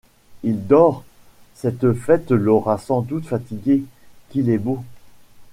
Il dort! — Cette fête l’aura sans doute fatigué !— Qu’il est beau !